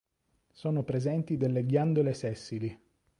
Sono presenti delle ghiandole sessili.